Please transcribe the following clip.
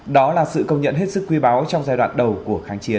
đó là sự công nhận hết sức quy báo trong giai đoạn đầu